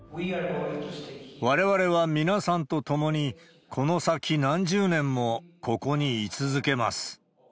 われわれは皆さんと共に、この先何十年もここに居続けます。